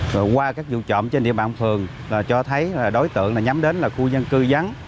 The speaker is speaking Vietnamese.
rồi qua các vụ trộm trên địa bàn phường cho thấy đối tượng nhắm đến khu dân cư vắng